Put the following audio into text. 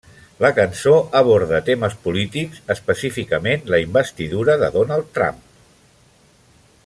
La cançó aborda temes polítics, específicament la investidura de Donald Trump.